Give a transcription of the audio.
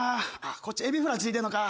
こっちえびフライついてんのか。